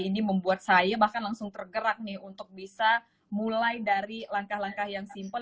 ini membuat saya bahkan langsung tergerak nih untuk bisa mulai dari langkah langkah yang simpel